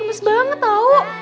gemes banget tau